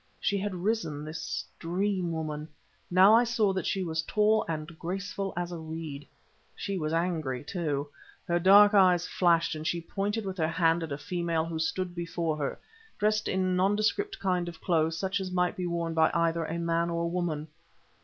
She had risen, this dream woman. Now I saw that she was tall and graceful as a reed. She was angry, too; her dark eyes flashed, and she pointed with her hand at a female who stood before her, dressed in nondescript kind of clothes such as might be worn by either a man or a woman.